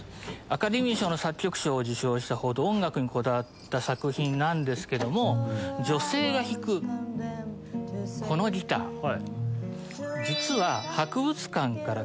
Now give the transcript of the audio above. アカデミー賞の作曲賞を受賞したほど音楽にこだわった作品なんですけども女性が弾くこのギター。